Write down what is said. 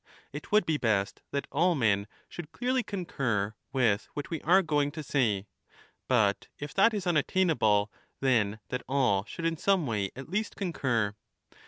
It would be best that all men should clearly concur with what we are going to say, but if that is unattainable, then that all should in some way at least concur.